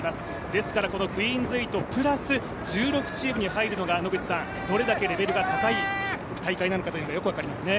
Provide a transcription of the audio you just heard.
ですからこのクイーンズ８プラス１６チームに入るのがどれだけレベルが高い大会なのかよく分かりますね。